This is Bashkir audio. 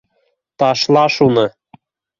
—- Ташла шуны